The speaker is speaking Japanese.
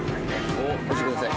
押してください。